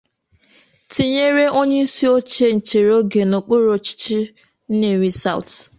tinyere Onyeisioche nchere oge n'okpuru ọchịchị 'Nnewi South'